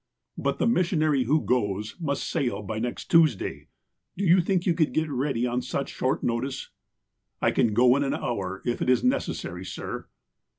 " But the missionary who goes must sail by next Tues day. Do you think you could get ready on such short notice?" "I can go in an hour, if it is necessary, sir."